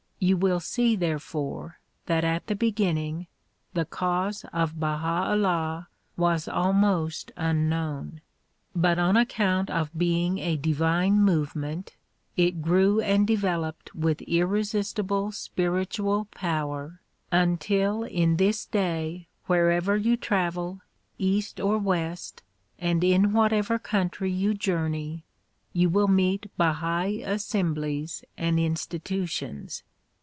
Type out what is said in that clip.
You will see therefore that at the be ginning, the cause of Baha 'Ullah was almost unknown, but on account of being a divine movement it grew and developed with irresistible spiritual power until in this day wherever you travel east or west and in whatever country you journey you will meet Bahai assemblies and institutions.